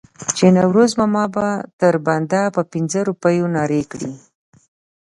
چې نوروز ماما به تر بنده په پنځو روپو نارې کړې.